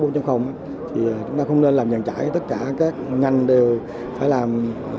thì chúng ta không nên làm nhằn trải tất cả các ngành đều phải làm